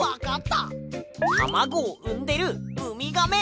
たまごをうんでるウミガメ！